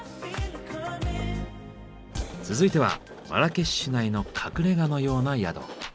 続いてはマラケシュ市内の隠れ家のような宿。